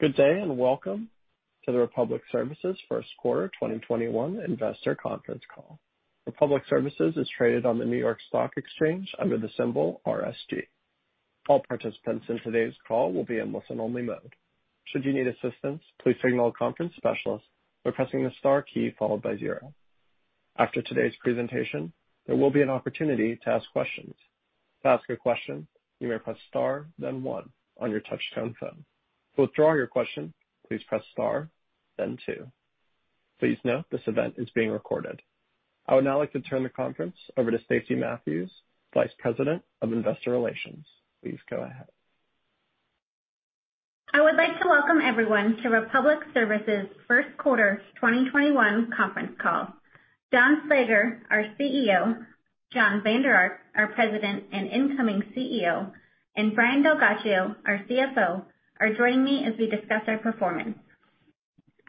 Good day, and welcome to the Republic Services first quarter 2021 investor conference call. Republic Services is traded on the New York Stock Exchange under the symbol RSG. All participants in today's call will be in listen-only mode. Please note this event is being recorded. I would now like to turn the conference over to Stacey Mathews, Vice President of Investor Relations. Please go ahead. I would like to welcome everyone to Republic Services' first quarter 2021 conference call. Don Slager, our CEO, Jon Vander Ark, our President and incoming CEO, and Brian DelGhiaccio, our CFO, are joining me as we discuss our performance.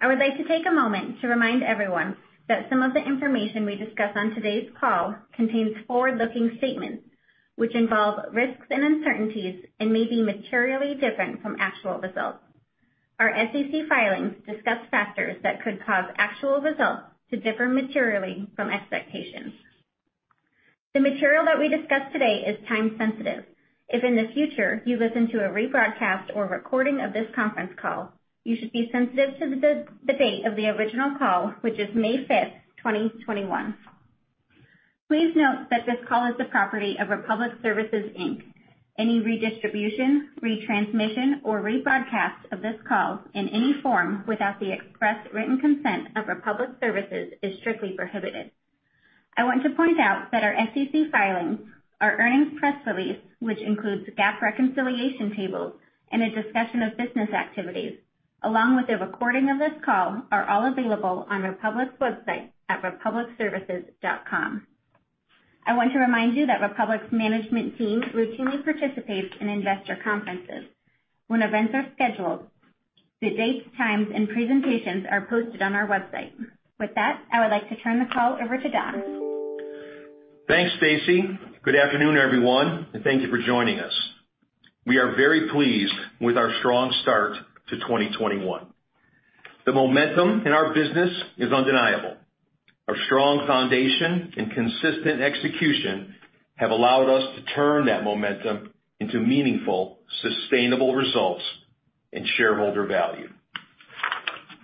I would like to take a moment to remind everyone that some of the information we discuss on today's call contains forward-looking statements, which involve risks and uncertainties and may be materially different from actual results. Our SEC filings discuss factors that could cause actual results to differ materially from expectations. The material that we discuss today is time-sensitive. If in the future you listen to a rebroadcast or recording of this conference call, you should be sensitive to the date of the original call, which is May 5th, 2021. Please note that this call is the property of Republic Services, Inc. Any redistribution, retransmission, or rebroadcast of this call in any form without the express written consent of Republic Services is strictly prohibited. I want to point out that our SEC filings, our earnings press release, which includes GAAP reconciliation tables and a discussion of business activities, along with a recording of this call, are all available on Republic's website at republicservices.com. I want to remind you that Republic's management team routinely participates in investor conferences. When events are scheduled, the dates, times, and presentations are posted on our website. With that, I would like to turn the call over to Don. Thanks, Stacey. Good afternoon, everyone, thank you for joining us. We are very pleased with our strong start to 2021. The momentum in our business is undeniable. Our strong foundation and consistent execution have allowed us to turn that momentum into meaningful, sustainable results and shareholder value.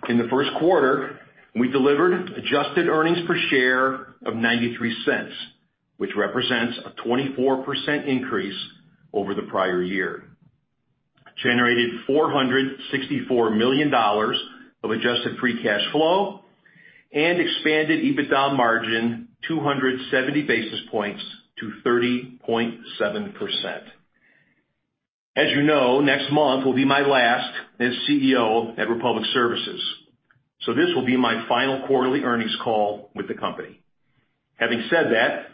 In the first quarter, we delivered adjusted earnings per share of $0.93, which represents a 24% increase over the prior year, generated $464 million of adjusted free cash flow, and expanded EBITDA margin 270 basis points to 30.7%. As you know, next month will be my last as CEO at Republic Services. This will be my final quarterly earnings call with the company. Having said that,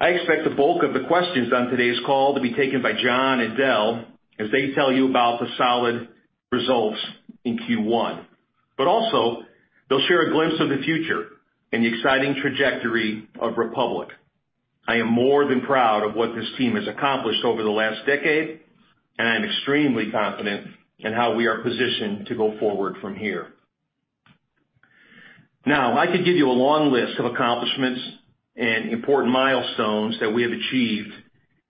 I expect the bulk of the questions on today's call to be taken by Jon and Del as they tell you about the solid results in Q1. Also, they'll share a glimpse of the future and the exciting trajectory of Republic. I am more than proud of what this team has accomplished over the last decade, and I am extremely confident in how we are positioned to go forward from here. Now, I could give you a long list of accomplishments and important milestones that we have achieved,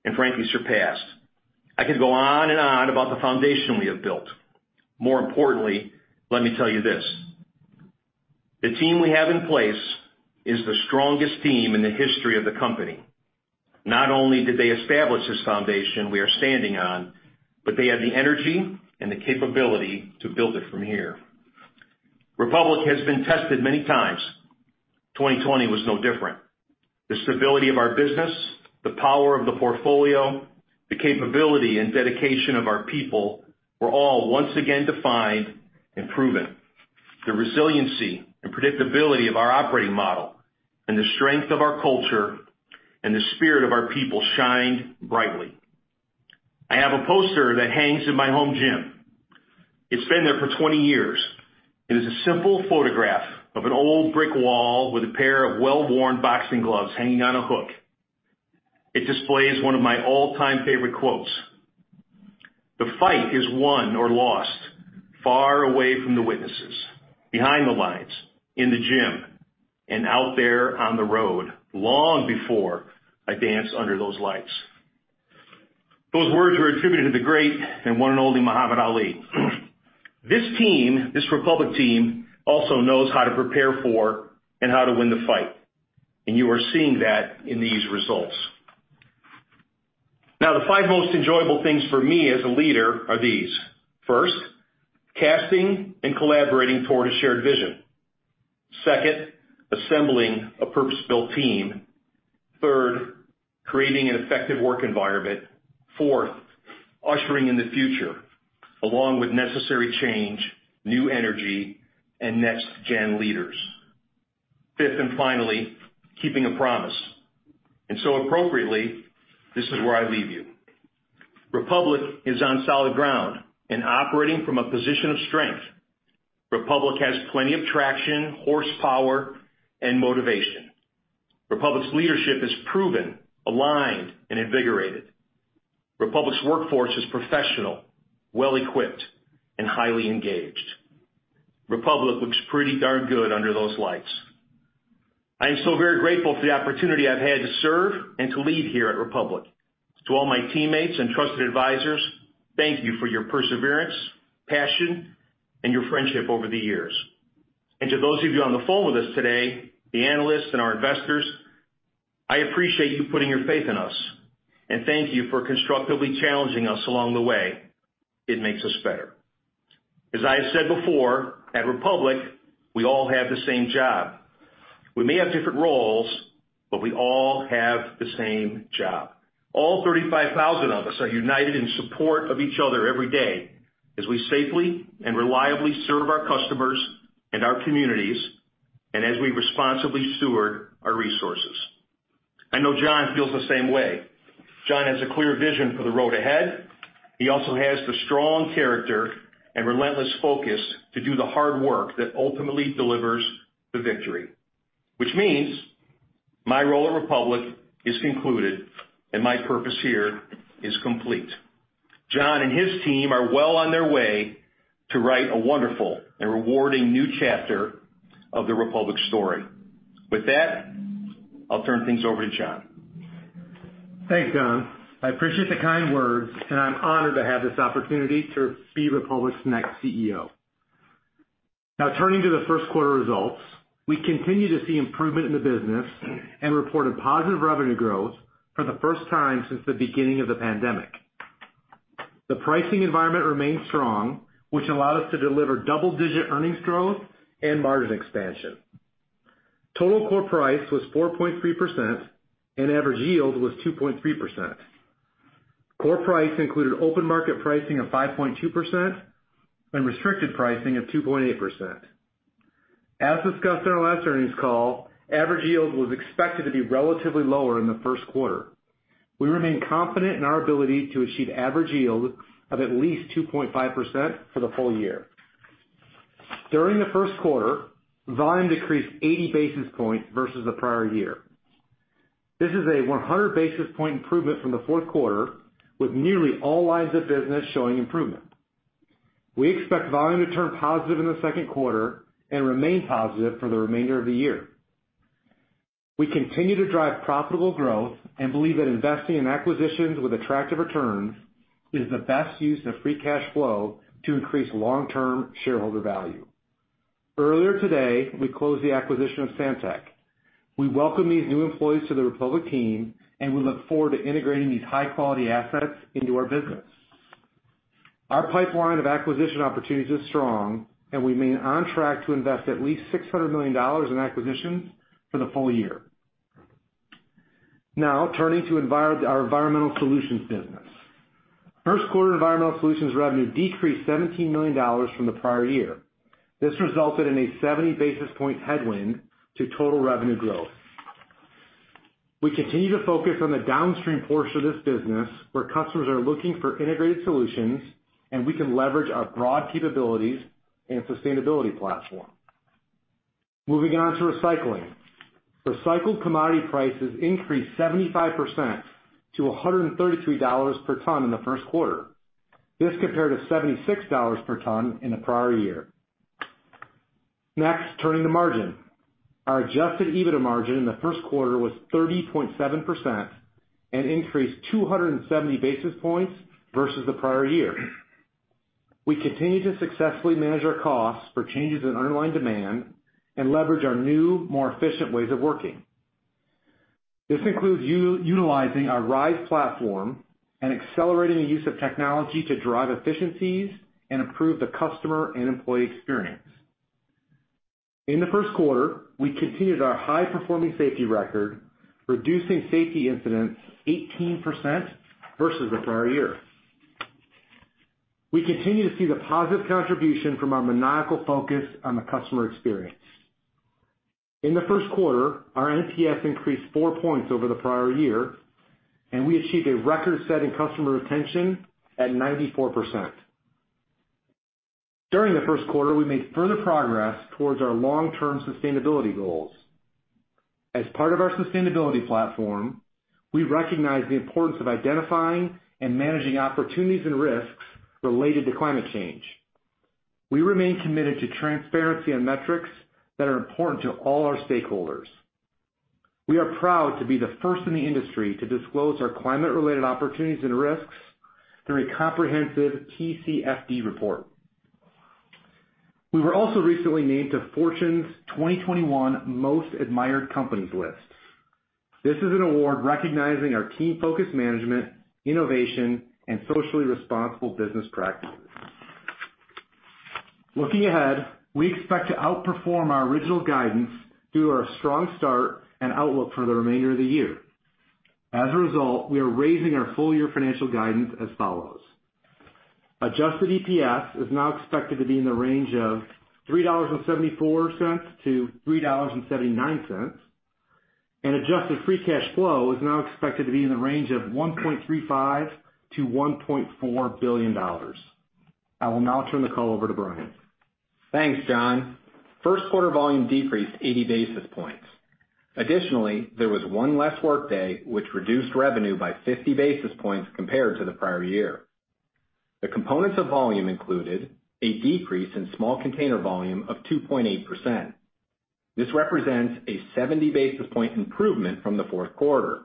and frankly, surpassed. I could go on and on about the foundation we have built. More importantly, let me tell you this. The team we have in place is the strongest team in the history of the company. Not only did they establish this foundation we are standing on, but they have the energy and the capability to build it from here. Republic has been tested many times. 2020 was no different. The stability of our business, the power of the portfolio, the capability and dedication of our people were all once again defined and proven. The resiliency and predictability of our operating model and the strength of our culture and the spirit of our people shined brightly. I have a poster that hangs in my home gym. It's been there for 20 years. It is a simple photograph of an old brick wall with a pair of well-worn boxing gloves hanging on a hook. It displays one of my all-time favorite quotes: "The fight is won or lost far away from the witnesses, behind the lines, in the gym, and out there on the road long before I dance under those lights." Those words were attributed to the great and one and only Muhammad Ali. This team, this Republic team, also knows how to prepare for and how to win the fight, and you are seeing that in these results. The five most enjoyable things for me as a leader are these. First, casting and collaborating toward a shared vision. Second, assembling a purpose-built team. Third, creating an effective work environment. Fourth, ushering in the future, along with necessary change, new energy, and next-gen leaders. Fifth, and finally, keeping a promise. Appropriately, this is where I leave you. Republic is on solid ground and operating from a position of strength. Republic has plenty of traction, horsepower, and motivation. Republic's leadership is proven, aligned, and invigorated. Republic's workforce is professional, well-equipped, and highly engaged. Republic looks pretty darn good under those lights. I am so very grateful for the opportunity I've had to serve and to lead here at Republic. To all my teammates and trusted advisors, thank you for your perseverance, passion, and your friendship over the years. To those of you on the phone with us today, the analysts and our investors, I appreciate you putting your faith in us, and thank you for constructively challenging us along the way. It makes us better. As I have said before, at Republic, we all have the same job. We may have different roles, but we all have the same job. All 35,000 of us are united in support of each other every day as we safely and reliably serve our customers and our communities, and as we responsibly steward our resources. I know Jon feels the same way. Jon has a clear vision for the road ahead. He also has the strong character and relentless focus to do the hard work that ultimately delivers the victory. Which means my role at Republic is concluded, and my purpose here is complete. Jon and his team are well on their way to write a wonderful and rewarding new chapter of the Republic story. With that, I'll turn things over to Jon. Thanks, Don. I appreciate the kind words, and I am honored to have this opportunity to be Republic's next CEO. Turning to the first quarter results. We continue to see improvement in the business and report a positive revenue growth for the first time since the beginning of the pandemic. The pricing environment remains strong, which allowed us to deliver double-digit earnings growth and margin expansion. Total core price was 4.3%, and average yield was 2.3%. Core price included open market pricing of 5.2% and restricted pricing of 2.28%. As discussed on our last earnings call, average yield was expected to be relatively lower in the first quarter. We remain confident in our ability to achieve average yield of at least 2.5% for the full year. During the first quarter, volume decreased 80 basis points versus the prior year. This is a 100 basis point improvement from the fourth quarter, with nearly all lines of business showing improvement. We expect volume to turn positive in the second quarter and remain positive for the remainder of the year. We continue to drive profitable growth and believe that investing in acquisitions with attractive returns is the best use of free cash flow to increase long-term shareholder value. Earlier today, we closed the acquisition of Santek. We welcome these new employees to the Republic team, and we look forward to integrating these high-quality assets into our business. Our pipeline of acquisition opportunities is strong, and we remain on track to invest at least $600 million in acquisitions for the full year. Now, turning to our Environmental Solutions business. First quarter Environmental Solutions revenue decreased $17 million from the prior year. This resulted in a 70 basis point headwind to total revenue growth. We continue to focus on the downstream portion of this business, where customers are looking for integrated solutions, and we can leverage our broad capabilities and sustainability platform. Moving on to recycling. Recycled commodity prices increased 75% to $133 per ton in the first quarter. This compared to $76 per ton in the prior year. Turning to margin. Our adjusted EBITDA margin in the first quarter was 30.7% and increased 270 basis points versus the prior year. We continue to successfully manage our costs for changes in underlying demand and leverage our new, more efficient ways of working. This includes utilizing our RISE platform and accelerating the use of technology to drive efficiencies and improve the customer and employee experience. In the first quarter, we continued our high-performing safety record, reducing safety incidents 18% versus the prior year. We continue to see the positive contribution from our maniacal focus on the customer experience. In the first quarter, our NPS increased four points over the prior year, and we achieved a record-setting customer retention at 94%. During the first quarter, we made further progress towards our long-term sustainability goals. As part of our sustainability platform, we recognize the importance of identifying and managing opportunities and risks related to climate change. We remain committed to transparency and metrics that are important to all our stakeholders. We are proud to be the first in the industry to disclose our climate-related opportunities and risks through a comprehensive TCFD report. We were also recently named to Fortune's 2021 Most Admired Companies list. This is an award recognizing our team-focused management, innovation, and socially responsible business practices. Looking ahead, we expect to outperform our original guidance through our strong start and outlook for the remainder of the year. As a result, we are raising our full-year financial guidance as follows. Adjusted EPS is now expected to be in the range of $3.74-$3.79. Adjusted free cash flow is now expected to be in the range of $1.35 billion-$1.4 billion. I will now turn the call over to Brian. Thanks, Jon. First quarter volume decreased 80 basis points. Additionally, there was one less workday, which reduced revenue by 50 basis points compared to the prior year. The components of volume included a decrease in small container volume of 2.8%. This represents a 70 basis point improvement from the fourth quarter.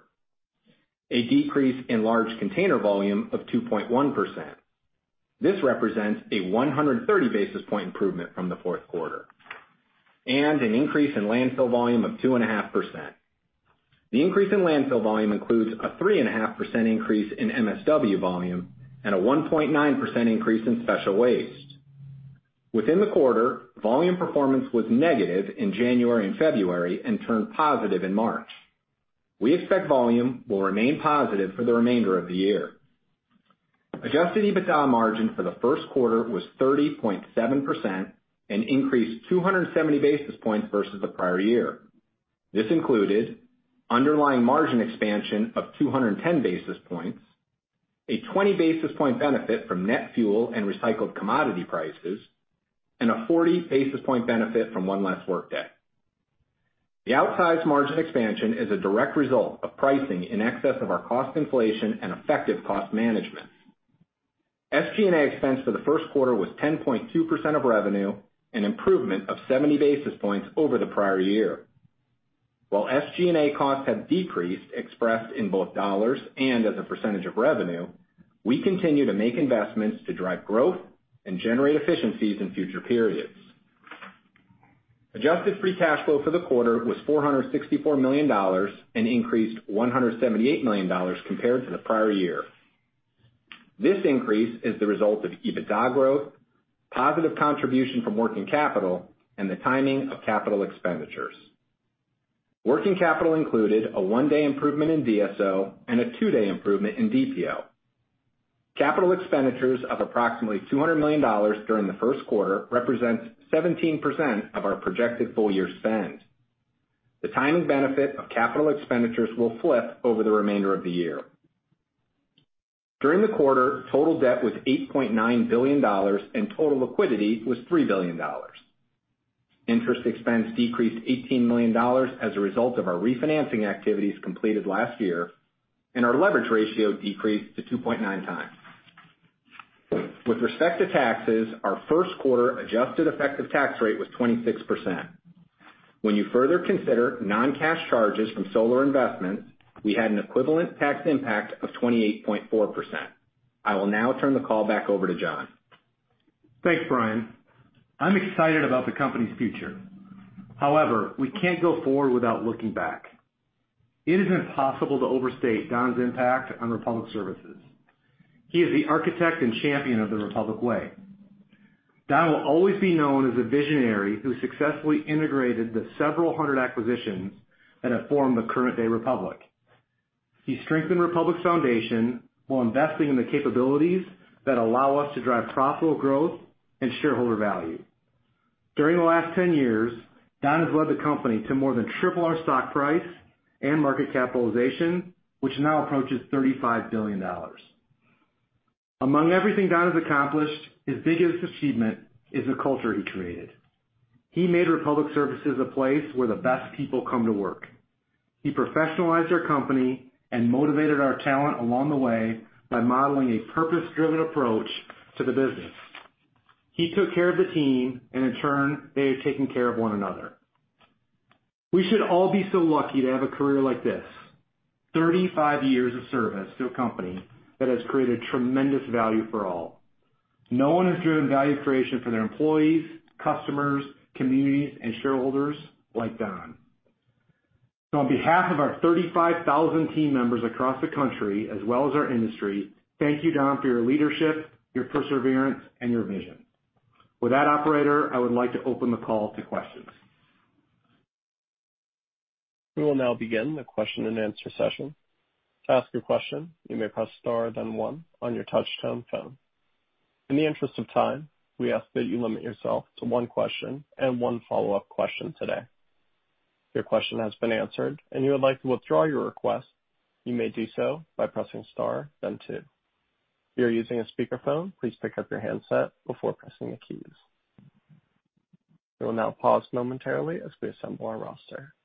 A decrease in large container volume of 2.1%. This represents a 130 basis point improvement from the fourth quarter. An increase in landfill volume of 2.5%. The increase in landfill volume includes a 3.5% increase in MSW volume and a 1.9% increase in special waste. Within the quarter, volume performance was negative in January and February and turned positive in March. We expect volume will remain positive for the remainder of the year. Adjusted EBITDA margin for the first quarter was 30.7% and increased 270 basis points versus the prior year. This included underlying margin expansion of 210 basis points, a 20 basis point benefit from net fuel and recycled commodity prices, and a 40 basis point benefit from one less workday. The outsized margin expansion is a direct result of pricing in excess of our cost inflation and effective cost management. SG&A expense for the first quarter was 10.2% of revenue, an improvement of 70 basis points over the prior year. While SG&A costs have decreased, expressed in both dollars and as a % of revenue, we continue to make investments to drive growth and generate efficiencies in future periods. Adjusted free cash flow for the quarter was $464 million and increased $178 million compared to the prior year. This increase is the result of EBITDA growth, positive contribution from working capital, and the timing of capital expenditures. Working capital included a one-day improvement in DSO and a two-day improvement in DPO. Capital expenditures of approximately $200 million during the first quarter represents 17% of our projected full-year spend. The timing benefit of capital expenditures will flip over the remainder of the year. During the quarter, total debt was $8.9 billion, and total liquidity was $3 billion. Interest expense decreased $18 million as a result of our refinancing activities completed last year, and our leverage ratio decreased to 2.9 times. With respect to taxes, our first quarter adjusted effective tax rate was 26%. When you further consider non-cash charges from solar investments, we had an equivalent tax impact of 28.4%. I will now turn the call back over to Jon. Thanks, Brian. I'm excited about the company's future. However, we can't go forward without looking back. It is impossible to overstate Don's impact on Republic Services. He is the architect and champion of the Republic Way. Don will always be known as a visionary who successfully integrated the several hundred acquisitions that have formed the current-day Republic. He strengthened Republic's foundation while investing in the capabilities that allow us to drive profitable growth and shareholder value. During the last 10 years, Don has led the company to more than triple our stock price and market capitalization, which now approaches $35 billion. Among everything Don has accomplished, his biggest achievement is the culture he created. He made Republic Services a place where the best people come to work. He professionalized our company and motivated our talent along the way by modeling a purpose-driven approach to the business. He took care of the team, and in turn, they have taken care of one another. We should all be so lucky to have a career like this. 35 years of service to a company that has created tremendous value for all. No one has driven value creation for their employees, customers, communities, and shareholders like Don. On behalf of our 35,000 team members across the country, as well as our industry, thank you, Don, for your leadership, your perseverance, and your vision. With that, operator, I would like to open the call to questions. We will now begin the question-and-answer session. To ask your question, you may press star, then one on your touchtone phone. In the interest of time, we ask that you limit yourself to one question and one follow-up question today. If your question has been answered and you would like to withdraw your request, you may do so by pressing star then two. If you are using a speakerphone, please pick up your handset before pressing the keys. We will now pause momentarily as we assemble our roster.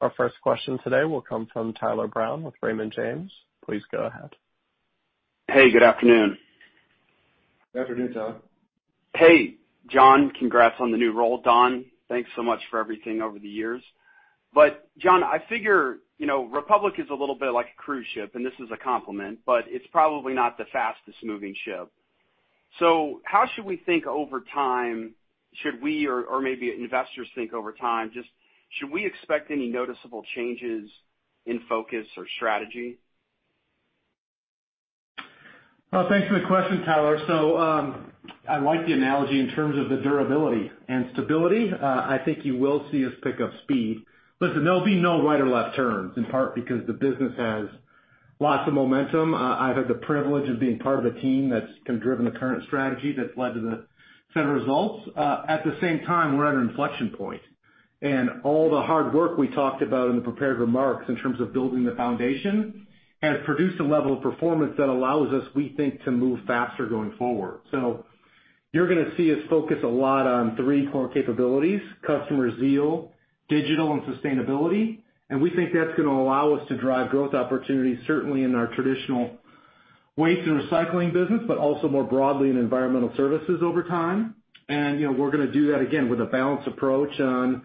Our first question today will come from Tyler Brown with Raymond James. Please go ahead. Hey, good afternoon. Good afternoon, Tyler. Hey, Jon, congrats on the new role. Don, thanks so much for everything over the years. Jon, I figure Republic is a little bit like a cruise ship, and this is a compliment, but it's probably not the fastest-moving ship. How should we think over time? Should we or maybe investors think over time, should we expect any noticeable changes in focus or strategy? Well, thanks for the question, Tyler. I like the analogy in terms of the durability and stability. I think you will see us pick up speed. Listen, there'll be no right or left turns, in part because the business has lots of momentum. I've had the privilege of being part of a team that's driven the current strategy that's led to the set of results. At the same time, we're at an inflection point. All the hard work we talked about in the prepared remarks in terms of building the foundation, has produced a level of performance that allows us, we think, to move faster going forward. You're going to see us focus a lot on three core capabilities, customer zeal, digital, and sustainability. We think that's going to allow us to drive growth opportunities, certainly in our traditional waste and recycling business, but also more broadly in environmental services over time. We're going to do that, again, with a balanced approach on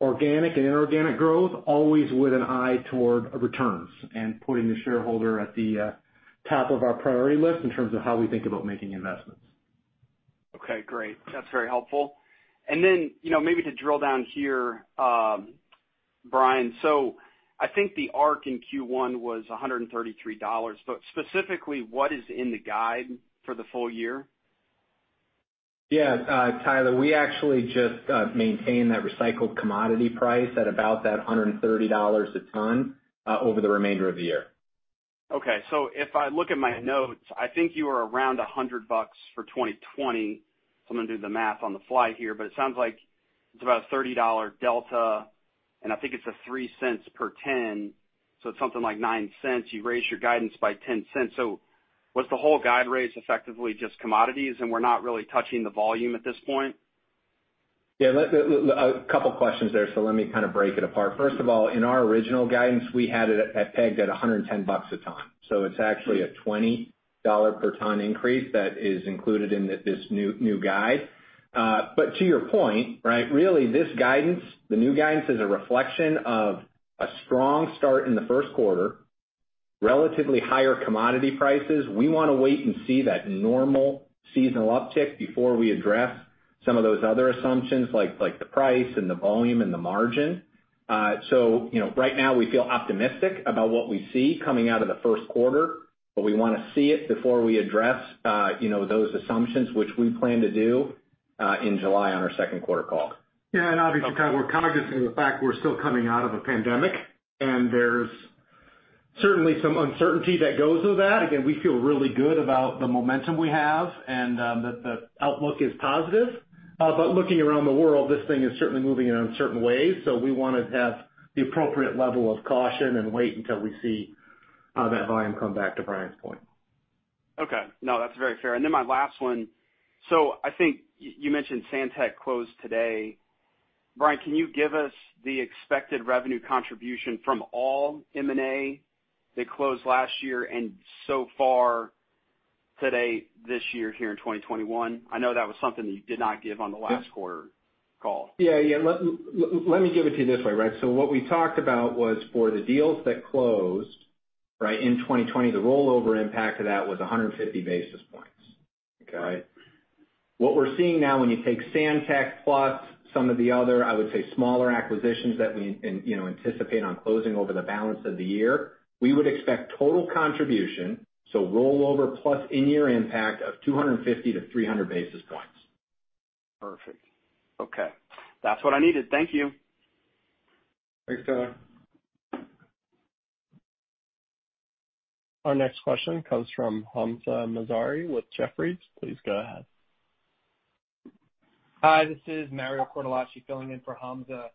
organic and inorganic growth, always with an eye toward returns and putting the shareholder at the top of our priority list in terms of how we think about making investments. Okay, great. That's very helpful. Maybe to drill down here, Brian, so I think our Q1 was $133, but specifically, what is in the guide for the full year? Yeah, Tyler, we actually just maintain that recycled commodity price at about that $130 a ton, over the remainder of the year. Okay. If I look at my notes, I think you were around $100 for 2020. I'm going to do the math on the fly here, but it sounds like it's about a $30 delta, and I think it's a $0.03 per 10, so it's something like $0.09. You've raised your guidance by $0.10. Was the whole guide raise effectively just commodities, and we're not really touching the volume at this point? Yeah, a couple questions there, let me kind of break it apart. First of all, in our original guidance, we had it pegged at $110 a ton. It's actually a $20 per ton increase that is included in this new guide. To your point, really, this guidance, the new guidance, is a reflection of a strong start in the first quarter, relatively higher commodity prices. We want to wait and see that normal seasonal uptick before we address some of those other assumptions like the price and the volume and the margin. Right now we feel optimistic about what we see coming out of the first quarter, but we want to see it before we address those assumptions, which we plan to do in July on our second quarter call. Yeah, obviously, Tyler, we're cognizant of the fact we're still coming out of a pandemic, and there's certainly some uncertainty that goes with that. Again, we feel really good about the momentum we have and that the outlook is positive. Looking around the world, this thing is certainly moving in uncertain ways. We want to have the appropriate level of caution and wait until we see that volume come back to Brian's point. Okay. No, that's very fair. My last one. I think you mentioned Santek closed today. Brian, can you give us the expected revenue contribution from all M&A that closed last year and so far to date this year here in 2021? I know that was something that you did not give on the last quarter call. Yeah. Let me give it to you this way. What we talked about was for the deals that closed in 2020, the rollover impact of that was 150 basis points. Okay. What we're seeing now, when you take Santek plus some of the other, I would say, smaller acquisitions that we anticipate on closing over the balance of the year, we would expect total contribution, so rollover plus in-year impact of 250-300 basis points. Perfect. Okay. That's what I needed. Thank you. Thanks, Tyler. Our next question comes from Hamzah Mazari with Jefferies. Please go ahead. Hi, this is Mario Cortellacci filling in for Hamzah Mazari.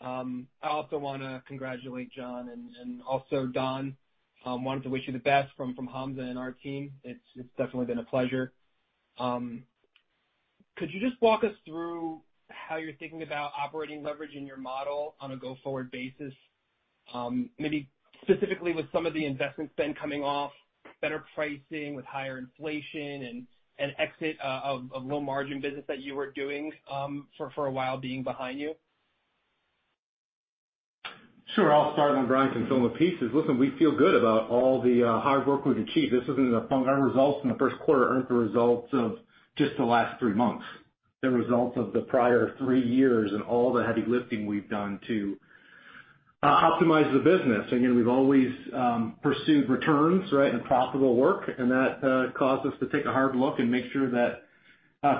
I also want to congratulate Jon Vander Ark, and also Don Slager. I wanted to wish you the best from Hamzah Mazari and our team. It's definitely been a pleasure. Could you just walk us through how you're thinking about operating leverage in your model on a go-forward basis? Maybe specifically with some of the investment spend coming off, better pricing with higher inflation, and exit of low-margin business that you were doing for a while being behind you. Sure. I'll start and then Brian DelGhiaccio can fill in the pieces. Listen, we feel good about all the hard work we've achieved. Our results from the first quarter aren't the results of just the last three months. They're results of the prior three years and all the heavy lifting we've done to optimize the business. Again, we've always pursued returns and profitable work, and that caused us to take a hard look and make sure that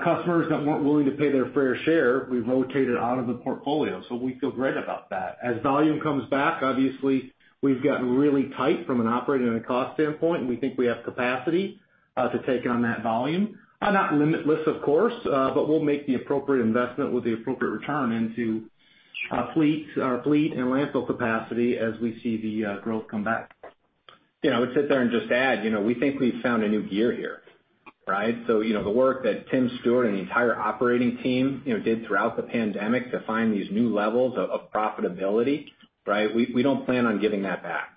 customers that weren't willing to pay their fair share, we've rotated out of the portfolio. We feel great about that. As volume comes back, obviously, we've gotten really tight from an operating and a cost standpoint, and we think we have capacity to take on that volume. Not limitless, of course, but we'll make the appropriate investment with the appropriate return into our fleet and landfill capacity as we see the growth come back. I would sit there and just add, we think we've found a new gear here. Right? The work that Tim Stuart and the entire operating team did throughout the pandemic to find these new levels of profitability, we don't plan on giving that back.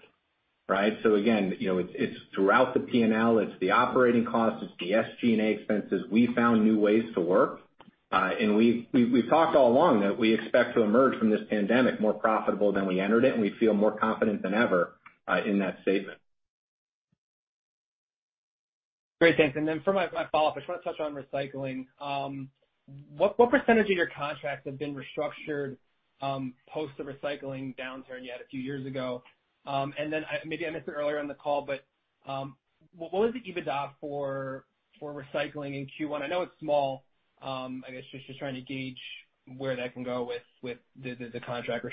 Again, it's throughout the P&L. It's the operating costs. It's the SG&A expenses. We found new ways to work. We've talked all along that we expect to emerge from this pandemic more profitable than we entered it, and we feel more confident than ever in that statement. Great, thanks. For my follow-up, I just want to touch on recycling. What percentage of your contracts have been restructured post the recycling downturn you had a few years ago? Maybe I missed it earlier in the call, but what was the EBITDA for recycling in Q1? I know it's small. I guess just trying to gauge where that can go with the contract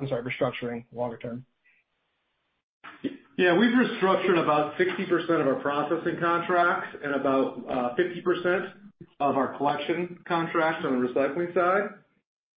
restructuring longer term. Yeah, we've restructured about 60% of our processing contracts and about 50% of our collection contracts on the recycling side.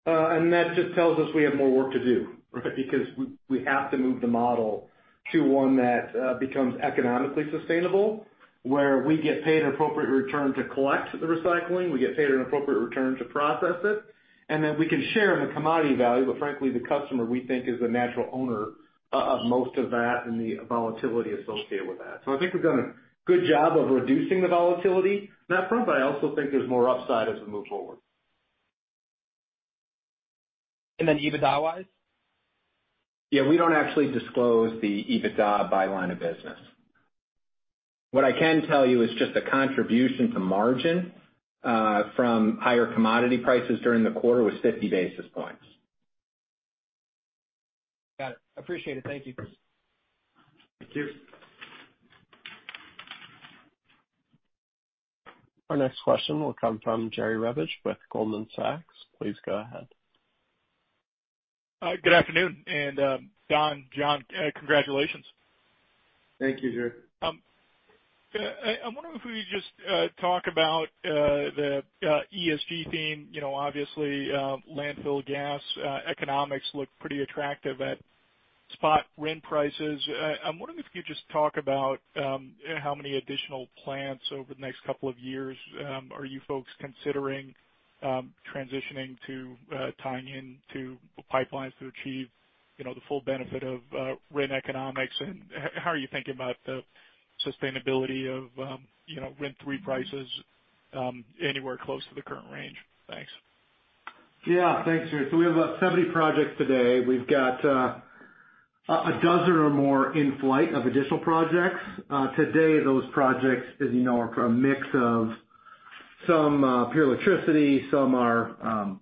That just tells us we have more work to do, right? Because we have to move the model to one that becomes economically sustainable, where we get paid an appropriate return to collect the recycling, we get paid an appropriate return to process it, and then we can share in the commodity value. Frankly, the customer, we think, is the natural owner of most of that and the volatility associated with that. I think we've done a good job of reducing the volatility on that front, but I also think there's more upside as we move forward. EBITDA-wise? Yeah, we don't actually disclose the EBITDA by line of business. What I can tell you is just the contribution to margin from higher commodity prices during the quarter was 50 basis points. Got it. Appreciate it. Thank you. Thank you. Our next question will come from Jerry Revich with Goldman Sachs. Please go ahead. Good afternoon, Don Slager, Jon Vander Ark, congratulations. Thank you, Jerry. I'm wondering if we could just talk about the ESG theme. Obviously, landfill gas economics look pretty attractive at spot RIN prices. I'm wondering if you could just talk about how many additional plants over the next couple of years are you folks considering transitioning to tying into pipelines to achieve the full benefit of RIN economics, and how are you thinking about the sustainability of D3 RIN prices anywhere close to the current range? Thanks. Yeah. Thanks, Jerry. We have about 70 projects today. We've got a dozen or more in flight of additional projects. Today, those projects, as you know, are a mix of some pure electricity, some are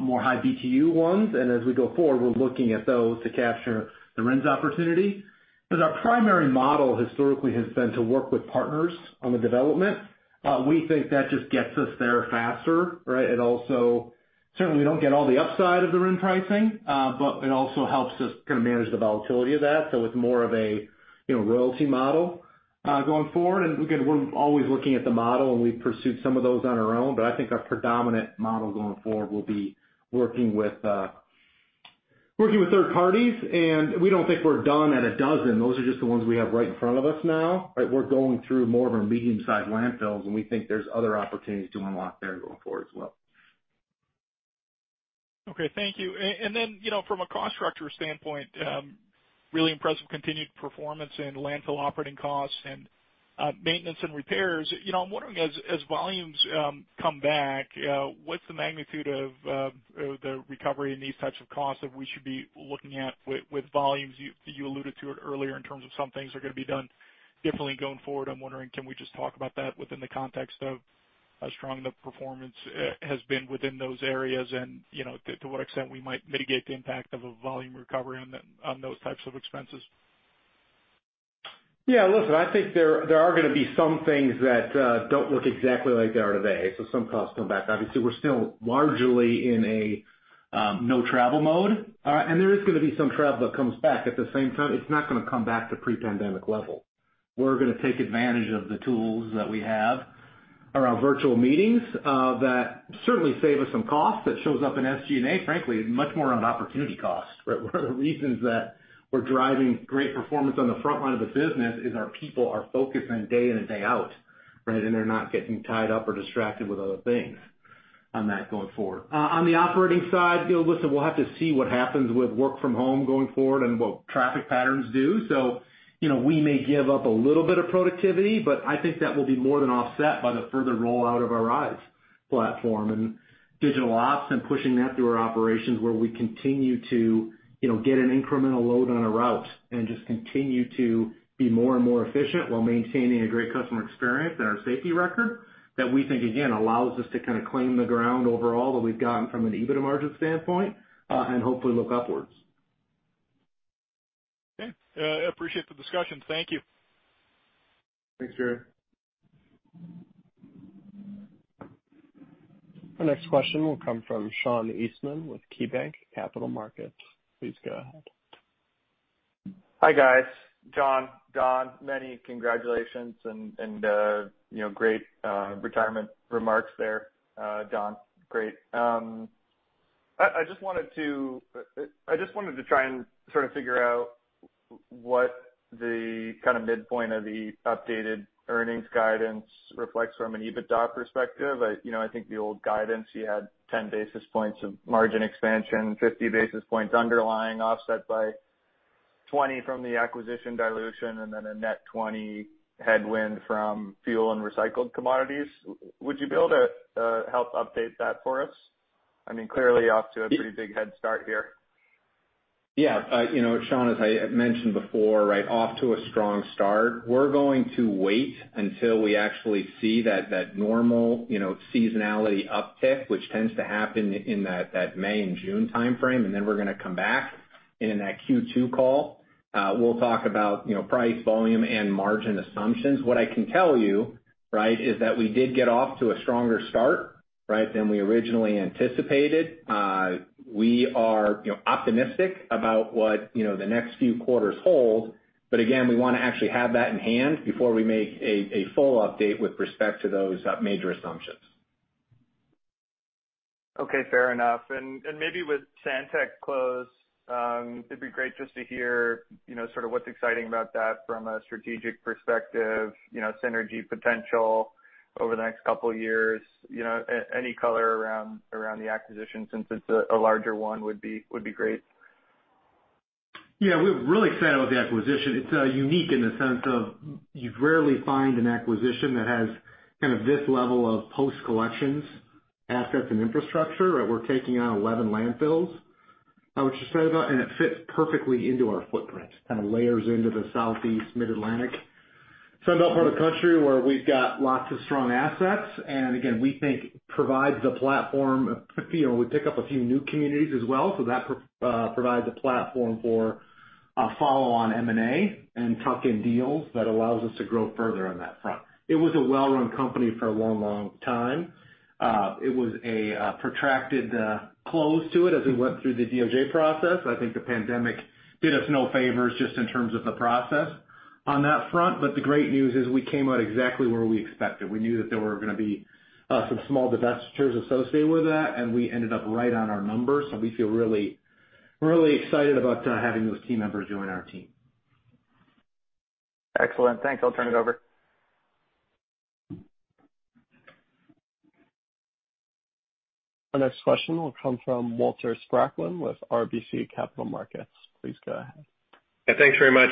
more high-BTU ones, and as we go forward, we're looking at those to capture the RINs opportunity. Our primary model historically has been to work with partners on the development. We think that just gets us there faster, right? Certainly, we don't get all the upside of the RIN pricing, but it also helps us kind of manage the volatility of that. It's more of a royalty model going forward. Again, we're always looking at the model, and we've pursued some of those on our own, but I think our predominant model going forward will be working with third parties, and we don't think we're done at a dozen. Those are just the ones we have right in front of us now, right? We're going through more of our medium-sized landfills. We think there's other opportunities to unlock there going forward as well. Okay, thank you. From a cost structure standpoint, really impressive continued performance in landfill operating costs and maintenance and repairs. I'm wondering, as volumes come back, what's the magnitude of the recovery in these types of costs that we should be looking at with volumes? You alluded to it earlier in terms of some things are going to be done differently going forward. I'm wondering, can we just talk about that within the context of how strong the performance has been within those areas and to what extent we might mitigate the impact of a volume recovery on those types of expenses? Yeah, listen, I think there are going to be some things that don't look exactly like they are today. Some costs come back. Obviously, we're still largely in a no-travel mode, and there is going to be some travel that comes back. At the same time, it's not going to come back to pre-pandemic levels. We're going to take advantage of the tools that we have, our virtual meetings, that certainly save us some costs. That shows up in SG&A, frankly, much more on opportunity cost, right? One of the reasons that we're driving great performance on the front line of the business is our people are focused on day in and day out, right? They're not getting tied up or distracted with other things on that going forward. On the operating side, listen, we'll have to see what happens with work from home going forward and what traffic patterns do. We may give up a little bit of productivity, but I think that will be more than offset by the further rollout of our RISE platform and digital ops and pushing that through our operations where we continue to get an incremental load on a route and just continue to be more and more efficient while maintaining a great customer experience and our safety record that we think, again, allows us to kind of claim the ground overall that we've gotten from an EBITDA margin standpoint, and hopefully look upwards. Okay. I appreciate the discussion. Thank you. Thanks, Jerry. Our next question will come from Sean Eastman with KeyBanc Capital Markets. Please go ahead. Hi, guys. Jon, Don, many congratulations, and great retirement remarks there. Don, great. I just wanted to try and sort of figure out what the kind of midpoint of the updated earnings guidance reflects from an EBITDA perspective. I think the old guidance, you had 10 basis points of margin expansion, 50 basis points underlying, offset by 20 from the acquisition dilution, and then a net 20 headwind from fuel and recycled commodities. Would you be able to help update that for us? Off to a pretty big head start here. Yeah. Sean, as I mentioned before, off to a strong start. We're going to wait until we actually see that normal seasonality uptick, which tends to happen in that May and June timeframe, and then we're going to come back in that Q2 call. We'll talk about price, volume, and margin assumptions. What I can tell you is that we did get off to a stronger start, than we originally anticipated. We are optimistic about what the next few quarters hold. Again, we want to actually have that in hand before we make a full update with respect to those major assumptions. Okay, fair enough. Maybe with Santek close, it'd be great just to hear sort of what's exciting about that from a strategic perspective, synergy potential over the next couple of years. Any color around the acquisition, since it's a larger one, would be great. Yeah. We're really excited about the acquisition. It's unique in the sense of, you rarely find an acquisition that has kind of this level of post collections, assets, and infrastructure. We're taking on 11 landfills, which is so about, and it fits perfectly into our footprint. Kind of layers into the Southeast Mid-Atlantic, Sun Belt part of the country where we've got lots of strong assets, and again, we think provides a platform. We pick up a few new communities as well. That provides a platform for a follow on M&A and tuck-in deals that allows us to grow further on that front. It was a well-run company for a long, long time. It was a protracted close to it as we went through the DOJ process. I think the pandemic did us no favors just in terms of the process on that front. The great news is we came out exactly where we expected. We knew that there were going to be some small divestitures associated with that, and we ended up right on our numbers. We feel really excited about having those team members join our team. Excellent. Thanks. I'll turn it over. Our next question will come from Walter Spracklin with RBC Capital Markets. Please go ahead. Thanks very much.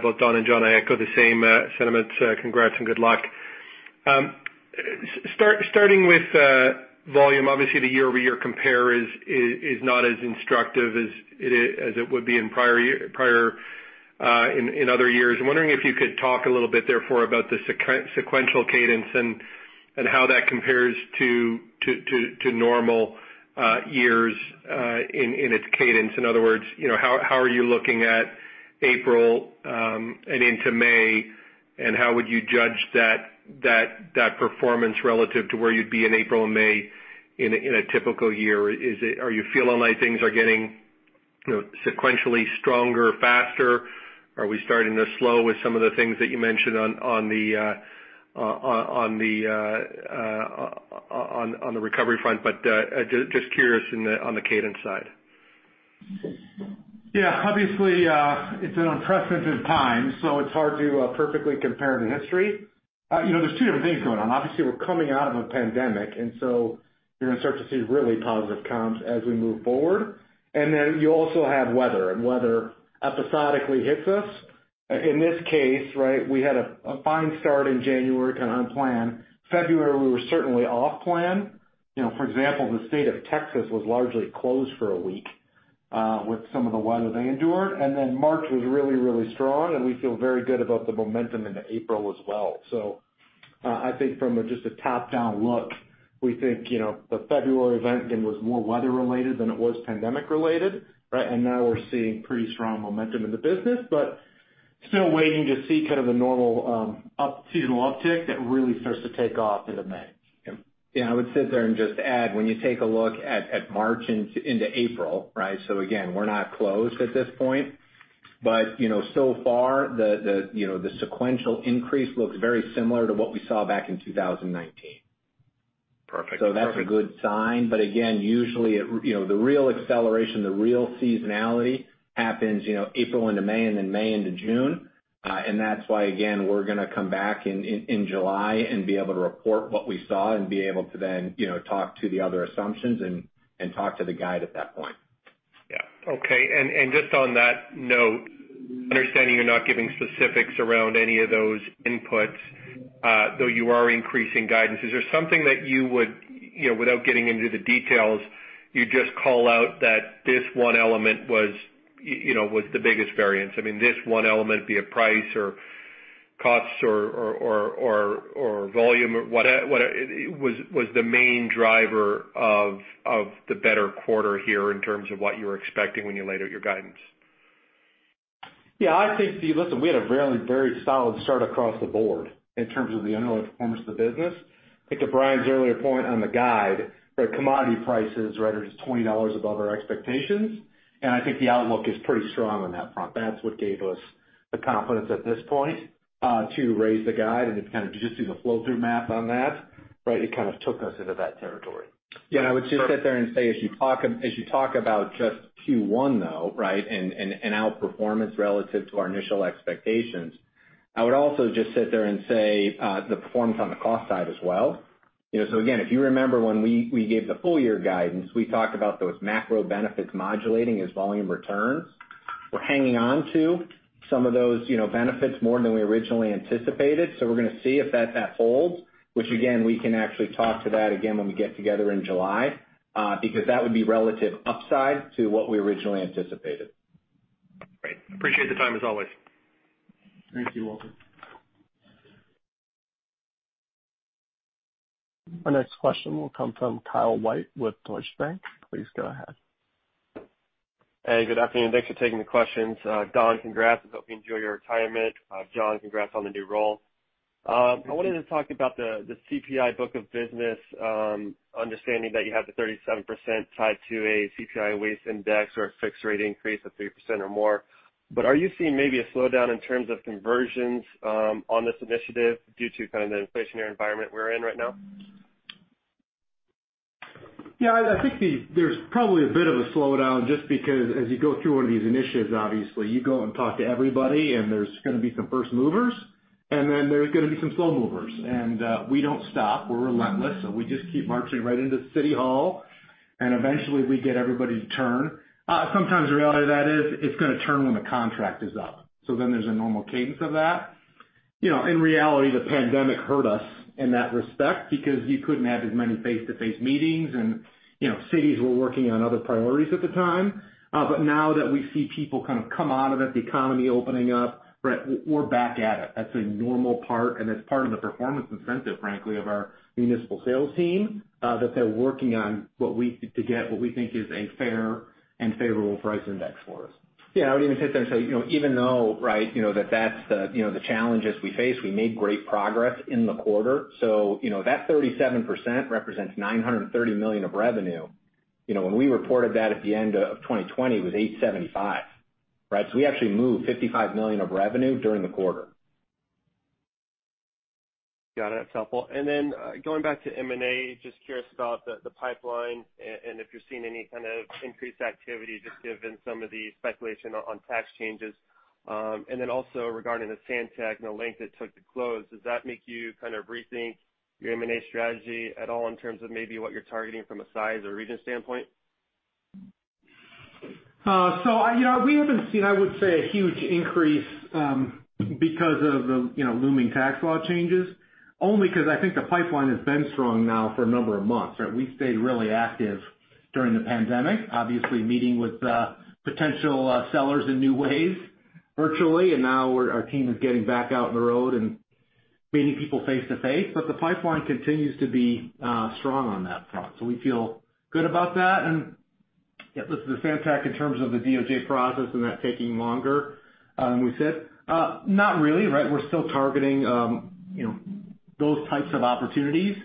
Both Don and Jon, I echo the same sentiments. Congrats and good luck. Starting with volume, obviously the year-over-year compare is not as instructive as it would be in other years. I'm wondering if you could talk a little bit, therefore, about the sequential cadence and how that compares to normal years, in its cadence. In other words, how are you looking at April, and into May, and how would you judge that performance relative to where you'd be in April and May in a typical year? Are you feeling like things are getting sequentially stronger, faster? Are we starting to slow with some of the things that you mentioned on the recovery front? Just curious on the cadence side. Yeah. Obviously, it's an unprecedented time, it's hard to perfectly compare to history. There's two different things going on. Obviously, we're coming out of a pandemic, you're going to start to see really positive comps as we move forward. You also have weather episodically hits us. In this case, we had a fine start in January, kind of on plan. February, we were certainly off plan. For example, the state of Texas was largely closed for a week, with some of the weather they endured. March was really, really strong, we feel very good about the momentum into April as well. I think from just a top-down look, we think the February event, again, was more weather related than it was pandemic related, right? Now we're seeing pretty strong momentum in the business, but still waiting to see kind of a normal, seasonal uptick that really starts to take off into May. Yeah. I would sit there and just add, when you take a look at March into April, so again, we're not closed at this point, but so far the sequential increase looks very similar to what we saw back in 2019. Perfect. That's a good sign. Again, usually, the real acceleration, the real seasonality happens April into May and then May into June. That's why, again, we're going to come back in July and be able to report what we saw and be able to then talk to the other assumptions and talk to the guide at that point. Yeah. Okay. Just on that note, understanding you're not giving specifics around any of those inputs, though you are increasing guidance, is there something that you would, without getting into the details, you'd just call out that this one element was the biggest variance? I mean, this one element, be it price or costs or volume or whatever, was the main driver of the better quarter here in terms of what you were expecting when you laid out your guidance. Yeah, I think, listen, we had a really very solid start across the board in terms of the underlying performance of the business. I think to Brian's earlier point on the guide, the commodity prices, just $20 above our expectations, and I think the outlook is pretty strong on that front. That's what gave us the confidence at this point, to raise the guide and to kind of just do the flow through math on that. It kind of took us into that territory. Yeah, I would just sit there and say, as you talk about just Q1 though, and outperformance relative to our initial expectations, I would also just sit there and say, the performance on the cost side as well. Again, if you remember when we gave the full year guidance, we talked about those macro benefits modulating as volume returns. We're hanging on to some of those benefits more than we originally anticipated. We're going to see if that holds, which again, we can actually talk to that again when we get together in July, because that would be relative upside to what we originally anticipated. Great. Appreciate the time, as always. Thank you, Walter. Our next question will come from Kyle White with Deutsche Bank. Please go ahead. Hey, good afternoon. Thanks for taking the questions. Don Slager, congrats. I hope you enjoy your retirement. Jon Vander Ark, congrats on the new role. I wanted to talk about the CPI book of business, understanding that you have the 37% tied to a CPI waste index or a fixed rate increase of 3% or more. Are you seeing maybe a slowdown in terms of conversions on this initiative due to kind of the inflationary environment we're in right now? Yeah. I think there's probably a bit of a slowdown just because as you go through one of these initiatives, obviously, you go and talk to everybody, and there's gonna be some first movers, and then there's gonna be some slow movers. We don't stop. We're relentless, so we just keep marching right into City Hall, and eventually we get everybody to turn. Sometimes the reality of that is it's gonna turn when the contract is up, there's a normal cadence of that. In reality, the pandemic hurt us in that respect because you couldn't have as many face-to-face meetings and cities were working on other priorities at the time. Now that we see people kind of come out of it, the economy opening up, we're back at it. That's a normal part and it's part of the performance incentive, frankly, of our municipal sales team, that they're working on to get what we think is a fair and favorable price index for us. Yeah. I would even sit there and say, even though that's the challenges we face, we made great progress in the quarter. That 37% represents $930 million of revenue. When we reported that at the end of 2020, it was $875. We actually moved $55 million of revenue during the quarter. Got it. That's helpful. Going back to M&A, just curious about the pipeline and if you're seeing any kind of increased activity, just given some of the speculation on tax changes. Regarding the Santek and the length it took to close, does that make you kind of rethink your M&A strategy at all in terms of maybe what you're targeting from a size or region standpoint? We haven't seen, I would say, a huge increase because of the looming tax law changes, only because I think the pipeline has been strong now for a number of months. We've stayed really active during the pandemic, obviously meeting with potential sellers in new ways, virtually. Now our team is getting back out on the road and meeting people face to face. The pipeline continues to be strong on that front. We feel good about that. Listen, the Santek in terms of the DOJ process and that taking longer than we said, not really. We're still targeting those types of opportunities.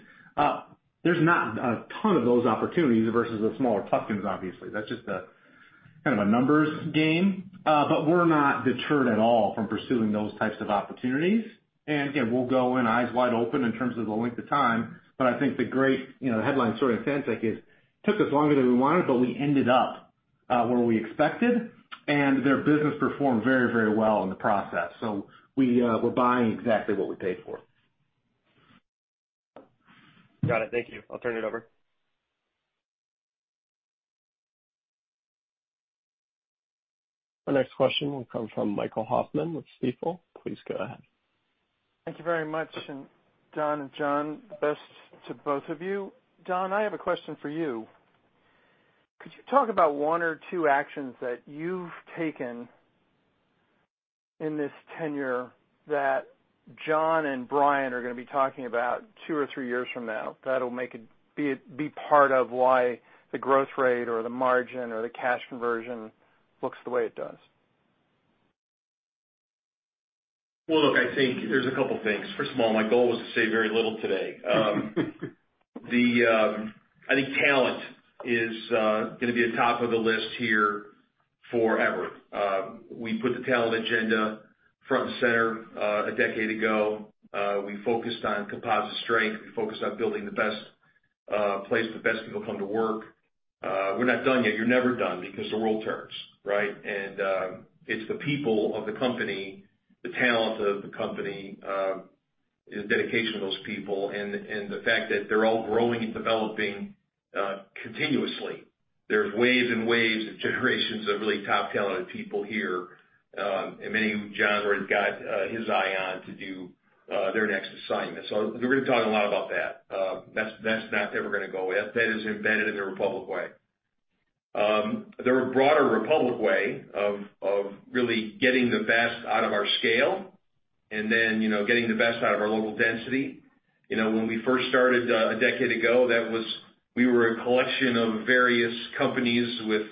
There's not a ton of those opportunities versus the smaller tuck-ins, obviously. That's just kind of a numbers game. We're not deterred at all from pursuing those types of opportunities. Again, we'll go in eyes wide open in terms of the length of time, but I think the great headline story of Santek is it took us longer than we wanted, but we ended up where we expected, and their business performed very well in the process. We're buying exactly what we paid for. Got it. Thank you. I'll turn it over. Our next question will come from Michael Hoffman with Stifel. Please go ahead. Thank you very much. Don and Jon, best to both of you. Don, I have a question for you. Could you talk about one or two actions that you've taken in this tenure that Jon and Brian are going to be talking about two or three years from now, that will be part of why the growth rate or the margin or the cash conversion looks the way it does? Well, look, I think there's a couple things. First of all, my goal was to say very little today. I think talent is gonna be the top of the list here forever. We put the talent agenda front and center a decade ago. We focused on composite strength. We focused on building the best place for the best people come to work. We're not done yet. You're never done because the world turns. It's the people of the company, the talent of the company, and the dedication of those people and the fact that they're all growing and developing continuously. There's waves and waves of generations of really top talented people here, and many who Jon's already got his eye on to do their next assignment. We're gonna talk a lot about that. That's not ever gonna go away. That is embedded in the Republic Way. The broader Republic Way of really getting the best out of our scale and then getting the best out of our local density. When we first started a decade ago, we were a collection of various companies with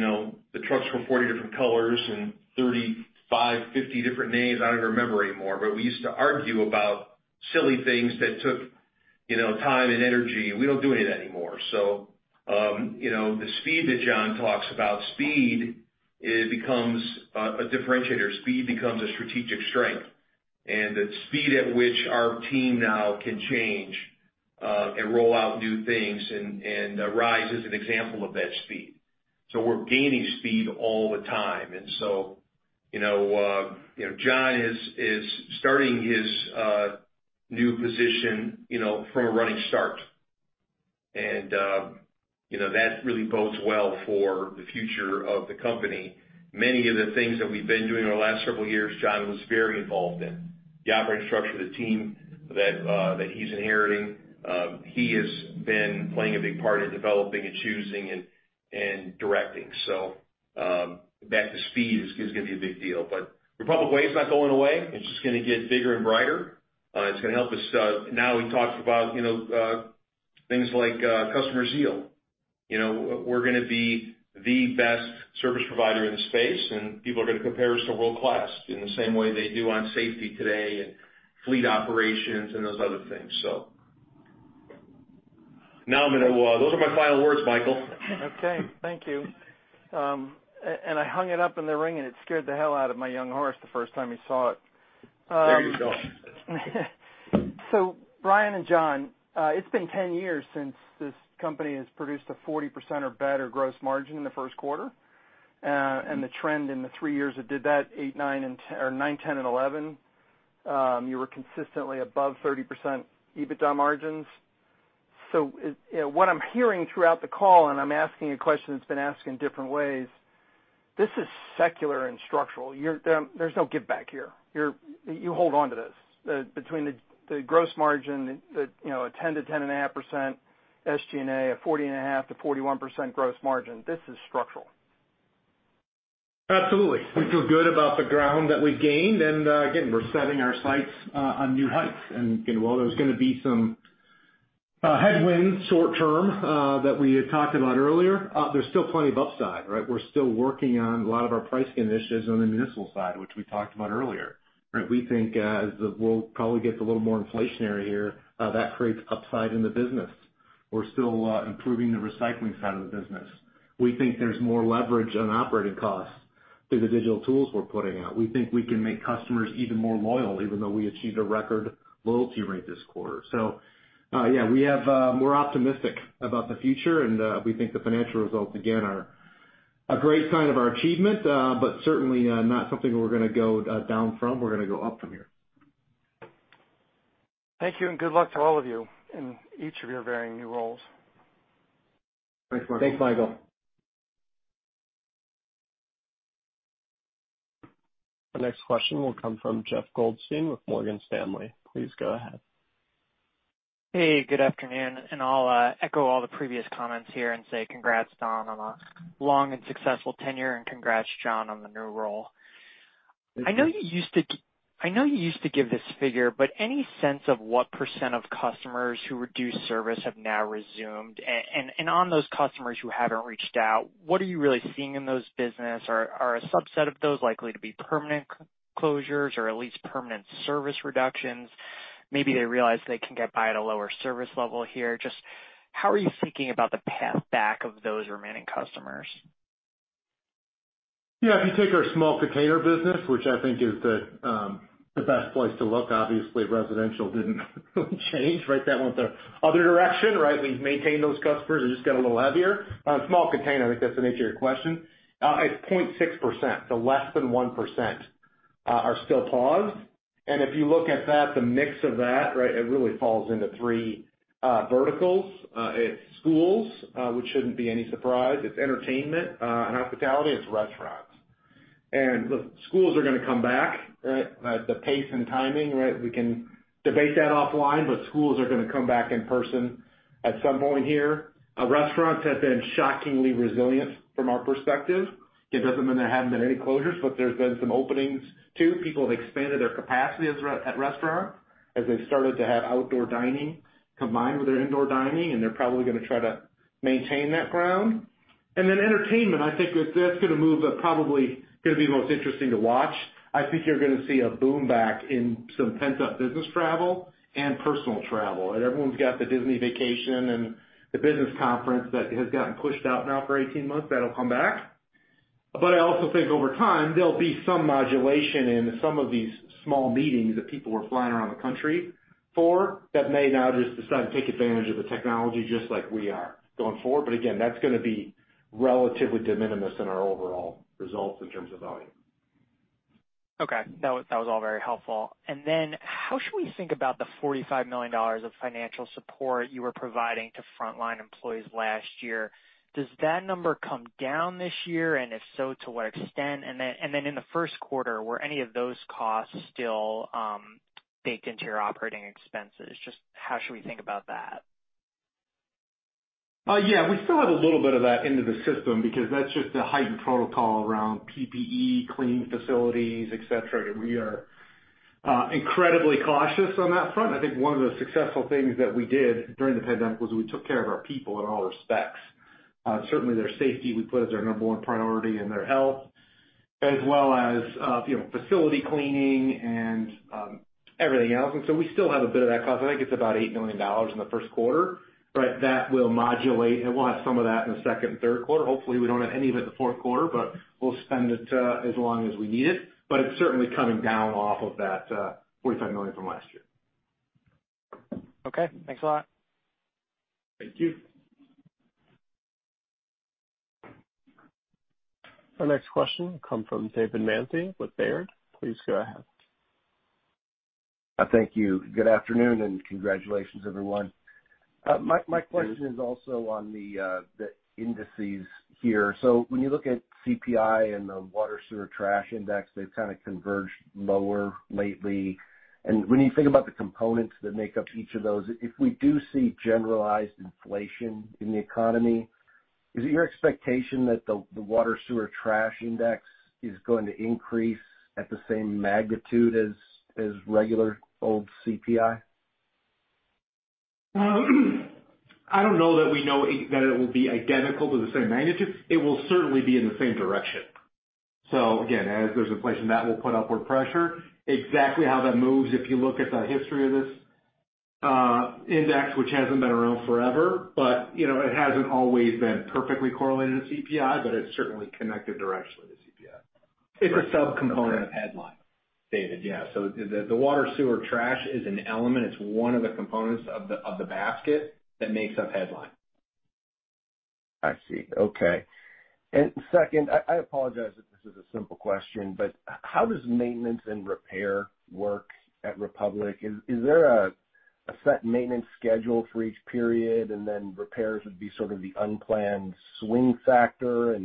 the trucks were 40 different colors and 35, 50 different names. I don't even remember anymore, we used to argue about silly things that took time and energy, and we don't do any of that anymore. The speed that Jon talks about, speed becomes a differentiator. Speed becomes a strategic strength. The speed at which our team now can change and roll out new things, and RISE is an example of that speed. We're gaining speed all the time. Jon is starting his new position from a running start. That really bodes well for the future of the company. Many of the things that we've been doing over the last several years, Jon Vander Ark was very involved in. The operating structure of the team that he's inheriting, he has been playing a big part in developing and choosing and directing. Back to speed is going to be a big deal. Republic Services is not going away. It's just going to get bigger and brighter. It's going to help us. We talked about things like customer zeal. We're going to be the best service provider in the space, and people are going to compare us to world-class in the same way they do on safety today and fleet operations and those other things. Those are my final words, Michael. Okay. Thank you. I hung it up in the ring, and it scared the hell out of my young horse the first time he saw it. There you go. Brian DelGhiaccio and Jon Vander Ark, it's been 10 years since this company has produced a 40% or better gross margin in the first quarter. The trend in the three years it did that, 2009, 2010, and 2011, you were consistently above 30% EBITDA margins. What I'm hearing throughout the call, and I'm asking a question that's been asked in different ways, this is secular and structural. There's no giveback here. You hold onto this. Between the gross margin, a 10%-10.5% SG&A, a 40.5%-41% gross margin. This is structural. Absolutely. We feel good about the ground that we gained. again, we're setting our sights on new heights. while there's going to be some headwinds short term that we had talked about earlier, there's still plenty of upside, right? We're still working on a lot of our price initiatives on the municipal side, which we talked about earlier. We think as we'll probably get a little more inflationary here, that creates upside in the business. We're still improving the recycling side of the business. We think there's more leverage on operating costs through the digital tools we're putting out. We think we can make customers even more loyal, even though we achieved a record loyalty rate this quarter. yeah, we're optimistic about the future, and we think the financial results, again, are a great sign of our achievement. Certainly not something we're going to go down from. We're going to go up from here. Thank you, and good luck to all of you in each of your varying new roles. Thanks, Michael. Thanks, Michael. The next question will come from Jeff Goldstein with Morgan Stanley. Please go ahead. Hey, good afternoon. I'll echo all the previous comments here and say congrats, Don, on a long and successful tenure, and congrats, Jon, on the new role. I know you used to give this figure, but any sense of what % of customers who reduced service have now resumed? On those customers who haven't reached out, what are you really seeing in those business? Are a subset of those likely to be permanent closures or at least permanent service reductions? Maybe they realize they can get by at a lower service level here. Just how are you thinking about the path back of those remaining customers? Yeah. If you take our small container business, which I think is the best place to look. Obviously, residential didn't really change, right? That went the other direction, right? We've maintained those customers, they just got a little heavier. Small container, I think that's the nature of your question. It's 0.6%, so less than 1% are still paused. If you look at that, the mix of that, it really falls into three verticals. It's schools, which shouldn't be any surprise. It's entertainment and hospitality. It's restaurants. Look, schools are going to come back, right? The pace and timing, we can debate that offline, but schools are going to come back in person at some point here. Restaurants have been shockingly resilient from our perspective. It doesn't mean there haven't been any closures, but there's been some openings, too. People have expanded their capacity at restaurants as they've started to have outdoor dining combined with their indoor dining, and they're probably going to try to maintain that ground. then entertainment, I think that that's going to move, but probably going to be the most interesting to watch. I think you're going to see a boom back in some pent-up business travel and personal travel. Everyone's got the Disney vacation and the business conference that has gotten pushed out now for 18 months. That'll come back. I also think over time, there'll be some modulation in some of these small meetings that people were flying around the country for that may now just decide to take advantage of the technology just like we are going forward. again, that's going to be relatively de minimis in our overall results in terms of volume. Okay. That was all very helpful. How should we think about the $45 million of financial support you were providing to frontline employees last year? Does that number come down this year, and if so, to what extent? In the first quarter, were any of those costs still baked into your operating expenses? Just how should we think about that? Yeah. We still have a little bit of that into the system because that's just the heightened protocol around PPE, cleaning facilities, et cetera. We are incredibly cautious on that front. I think one of the successful things that we did during the pandemic was we took care of our people in all respects. Certainly their safety we put as our number one priority and their health, as well as facility cleaning and everything else. We still have a bit of that cost. I think it's about $8 million in the first quarter. That will modulate, and we'll have some of that in the second and third quarter. Hopefully, we don't have any of it in the fourth quarter, but we'll spend it as long as we need it. It's certainly coming down off of that $45 million from last year. Okay. Thanks a lot. Thank you. Our next question will come from David Manthey with Baird. Please go ahead. Thank you. Good afternoon, and congratulations, everyone. My question is also on the indices here. When you look at CPI and the water, sewer, trash index, they've kind of converged lower lately. When you think about the components that make up each of those, if we do see generalized inflation in the economy Is it your expectation that the water sewer trash index is going to increase at the same magnitude as regular old CPI? I don't know that we know that it will be identical to the same magnitude. It will certainly be in the same direction. Again, as there's inflation, that will put upward pressure. Exactly how that moves, if you look at the history of this index, which hasn't been around forever, but it hasn't always been perfectly correlated to CPI, but it's certainly connected directly to CPI. It's a sub-component of headline. David, yeah. the water sewer trash is an element, it's one of the components of the basket that makes up headline. I see. Okay. second, I apologize if this is a simple question, but how does maintenance and repair work at Republic? Is there a set maintenance schedule for each period and then repairs would be sort of the unplanned swing factor?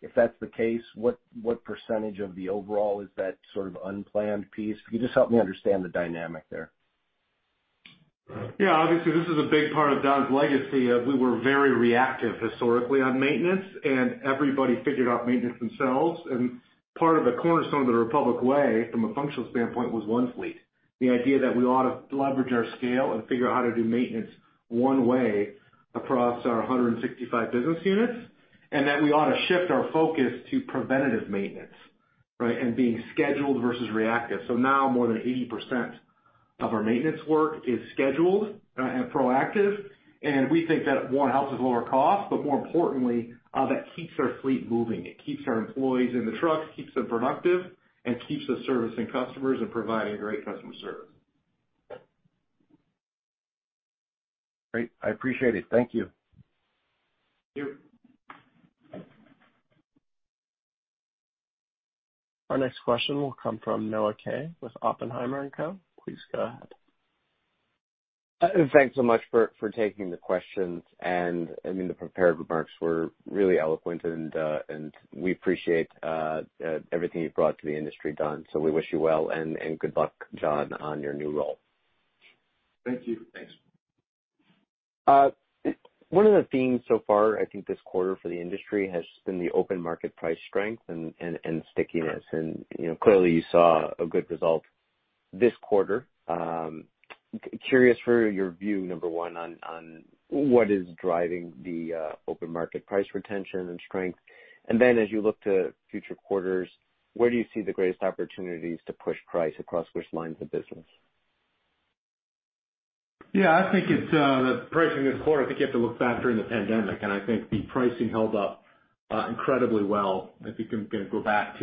if that's the case, what percentage of the overall is that sort of unplanned piece? If you could just help me understand the dynamic there. Yeah, obviously this is a big part of Don's legacy, of we were very reactive historically on maintenance, and everybody figured out maintenance themselves. Part of the cornerstone of the Republic Way from a functional standpoint was One Fleet. The idea that we ought to leverage our scale and figure out how to do maintenance one way across our 165 business units, and that we ought to shift our focus to preventative maintenance, right? Being scheduled versus reactive. Now more than 80% of our maintenance work is scheduled, and proactive, and we think that one, helps with lower cost, but more importantly, that keeps our fleet moving. It keeps our employees in the trucks, keeps them productive, and keeps us servicing customers and providing great customer service. Great. I appreciate it. Thank you. Thank you. Our next question will come from Noah Kaye with Oppenheimer & Co. Please go ahead. Thanks so much for taking the questions. The prepared remarks were really eloquent and we appreciate everything you've brought to the industry, Don, so we wish you well. Good luck, John, on your new role. Thank you. Thanks. One of the themes so far, I think, this quarter for the industry has been the open market price strength and stickiness. Clearly you saw a good result this quarter. Curious for your view, number one, on what is driving the open market price retention and strength. As you look to future quarters, where do you see the greatest opportunities to push price across which lines of business? Yeah, I think the pricing this quarter, I think you have to look back during the pandemic, and I think the pricing held up incredibly well. I think you can go back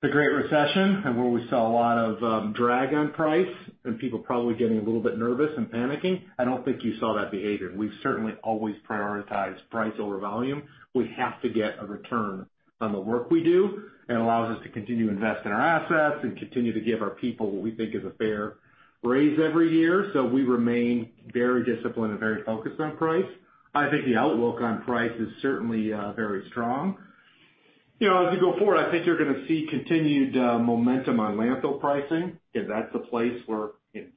to the Great Recession and where we saw a lot of drag on price and people probably getting a little bit nervous and panicking. I don't think you saw that behavior. We've certainly always prioritized price over volume. We have to get a return on the work we do. It allows us to continue to invest in our assets and continue to give our people what we think is a fair raise every year. We remain very disciplined and very focused on price. I think the outlook on price is certainly very strong. As we go forward, I think you're going to see continued momentum on landfill pricing. That's the place where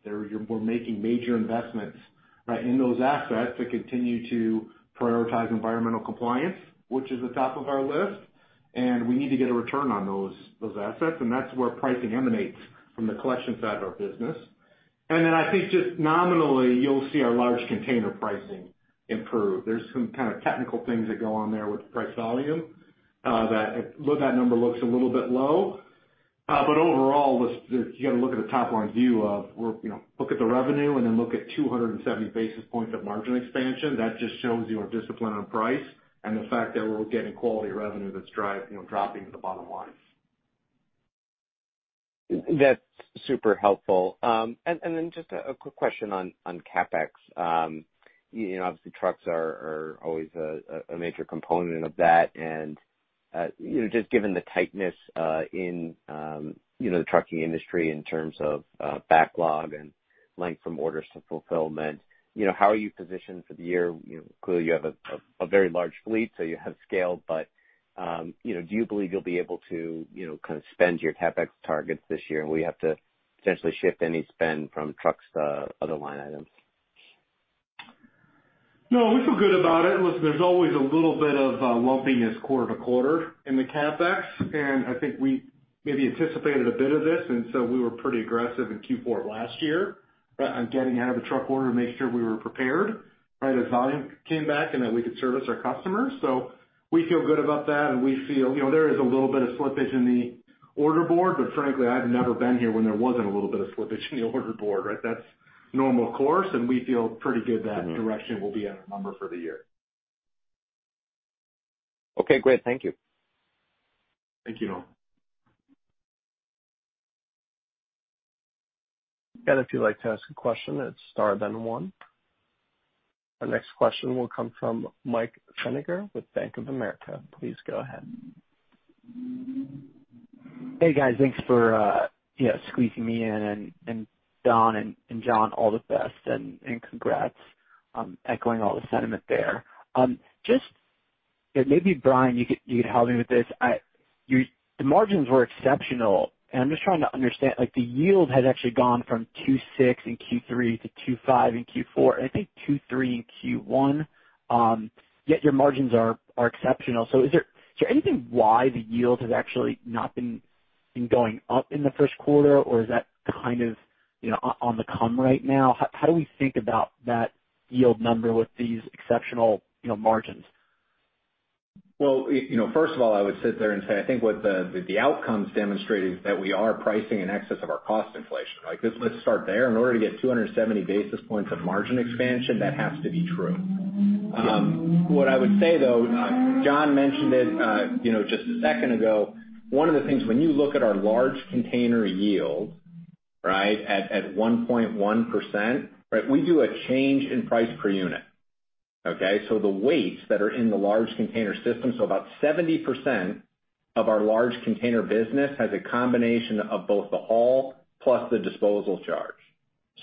we're making major investments in those assets to continue to prioritize environmental compliance, which is the top of our list, and we need to get a return on those assets. that's where pricing emanates from the collection side of our business. I think just nominally, you'll see our large container pricing improve. There's some kind of technical things that go on there with price volume. That number looks a little bit low. overall, you got to look at the top-line view of look at the revenue and then look at 270 basis points of margin expansion. That just shows you our discipline on price and the fact that we're getting quality revenue that's dropping to the bottom line. That's super helpful. just a quick question on CapEx. Obviously, trucks are always a major component of that, and just given the tightness in the trucking industry in terms of backlog and length from orders to fulfillment, how are you positioned for the year? Clearly, you have a very large fleet, so you have scale, but do you believe you'll be able to spend your CapEx targets this year? Will you have to essentially shift any spend from trucks to other line items? No, we feel good about it. Listen, there's always a little bit of lumpiness quarter-to-quarter in the CapEx, and I think we maybe anticipated a bit of this, and so we were pretty aggressive in Q4 last year on getting ahead of the truck order to make sure we were prepared as volume came back and that we could service our customers. We feel good about that and we feel there is a little bit of slippage in the order board, but frankly, I've never been here when there wasn't a little bit of slippage in the order board, right? That's normal course, and we feel pretty good that direction will be at our number for the year. Okay, great. Thank you. Thank you, Noah. If you'd like to ask a question, it's star then one. Our next question will come from Mike Feniger with Bank of America. Please go ahead. Hey, guys. Thanks for squeezing me in, and Don and Jon, all the best and congrats. I'm echoing all the sentiment there. Just maybe, Brian, you could help me with this. The margins were exceptional, and I'm just trying to understand, the yield has actually gone from 2.6 in Q3 to 2.5 in Q4, and I think 2.3 in Q1, yet your margins are exceptional. is there anything why the yield has actually not been going up in the first quarter, or is that kind of on the come right now? How do we think about that yield number with these exceptional margins? Well, first of all, I would sit there and say, I think what the outcome's demonstrating is that we are pricing in excess of our cost inflation. Let's start there. In order to get 270 basis points of margin expansion, that has to be true. What I would say, though, John mentioned it just a second ago, one of the things, when you look at our large container yield at 1.1%, we do a change in price per unit. Okay? the weights that are in the large container system, so about 70% of our large container business has a combination of both the haul plus the disposal charge.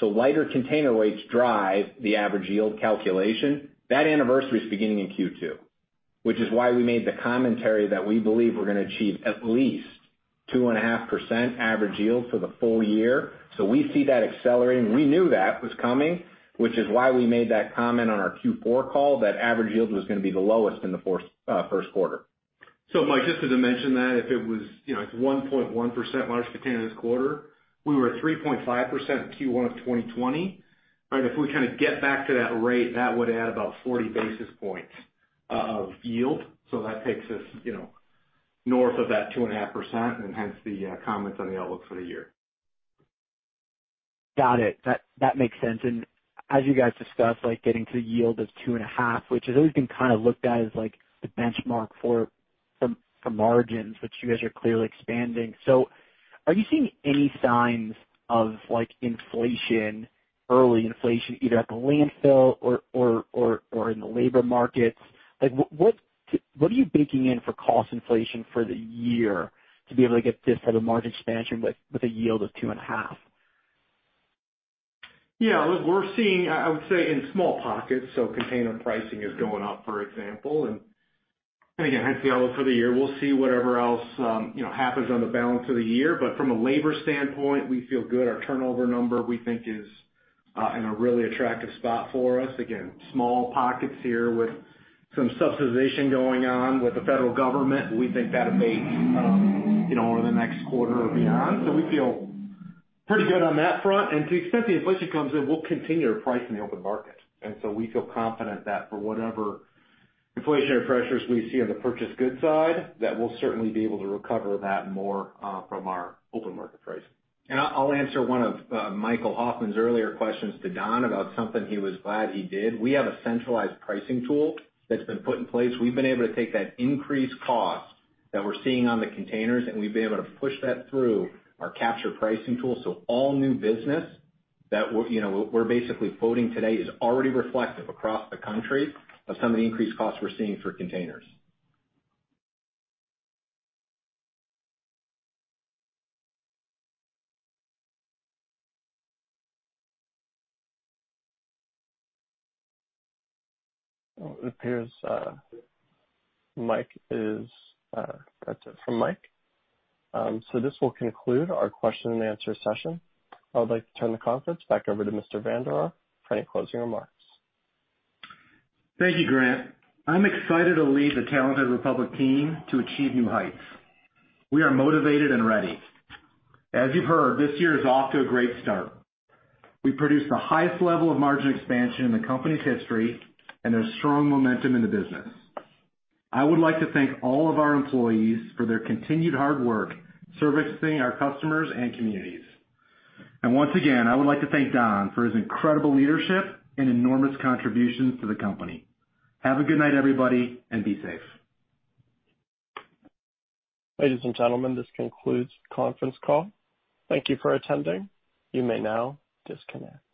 lighter container weights drive the average yield calculation. That anniversary is beginning in Q2, which is why we made the commentary that we believe we're going to achieve at least 2.5% average yield for the full year. We see that accelerating. We knew that was coming, which is why we made that comment on our Q4 call, that average yield was going to be the lowest in the first quarter. Mike, just to dimension that, if it was 1.1% large containers quarter, we were at 3.5% Q1 of 2020. If we kind of get back to that rate, that would add about 40 basis points of yield. That takes us north of that 2.5%, and hence the comments on the outlook for the year. Got it. That makes sense. As you guys discussed, getting to the yield of two and a half, which has always been kind of looked at as like the benchmark for margins, which you guys are clearly expanding. Are you seeing any signs of inflation, early inflation, either at the landfill or in the labor markets? What are you baking in for cost inflation for the year to be able to get this type of margin expansion with a yield of two and a half? Yeah, we're seeing, I would say, in small pockets, so container pricing is going up, for example. Again, hence the outlook for the year. We'll see whatever else happens on the balance of the year. From a labor standpoint, we feel good. Our turnover number, we think, is in a really attractive spot for us. Again, small pockets here with some subsidization going on with the federal government. We think that'll fade over the next quarter or beyond. We feel pretty good on that front. To the extent the inflation comes in, we'll continue to price in the open market. We feel confident that for whatever inflationary pressures we see on the purchase goods side, that we'll certainly be able to recover that more from our open market pricing. I'll answer one of Michael Hoffman's earlier questions to Don about something he was glad he did. We have a centralized pricing tool that's been put in place. We've been able to take that increased cost that we're seeing on the containers, and we've been able to push that through our Capture pricing tool. All new business that we're basically quoting today is already reflective across the country of some of the increased costs we're seeing for containers. It appears that's it from Mike. This will conclude our question and answer session. I would like to turn the conference back over to Mr. Vander Ark for any closing remarks. Thank you, Grant. I'm excited to lead the talented Republic team to achieve new heights. We are motivated and ready. As you've heard, this year is off to a great start. We produced the highest level of margin expansion in the company's history, and there's strong momentum in the business. I would like to thank all of our employees for their continued hard work servicing our customers and communities. Once again, I would like to thank Don for his incredible leadership and enormous contributions to the company. Have a good night, everybody, and be safe. Ladies and gentlemen, this concludes the conference call. Thank you for attending. You may now disconnect.